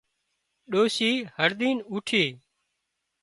ڏوشي هڙۮينَ اوٺي